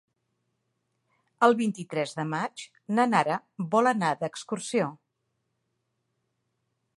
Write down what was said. El vint-i-tres de maig na Nara vol anar d'excursió.